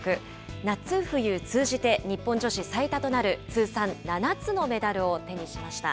夏冬通じて日本女子最多となる通算７つのメダルを手にしました。